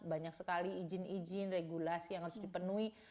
banyak sekali izin izin regulasi yang harus dipenuhi